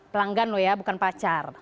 pelanggan loh ya bukan pacar